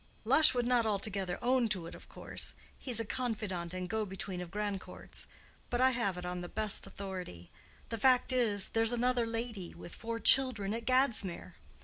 "Lush would not altogether own to it, of course. He's a confident and go between of Grandcourt's. But I have it on the best authority. The fact is, there's another lady with four children at Gadsmere.